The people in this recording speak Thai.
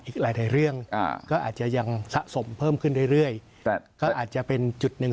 อีกหลายเรื่องก็อาจจะยังสะสมเพิ่มขึ้นเรื่อยแต่ก็อาจจะเป็นจุดหนึ่ง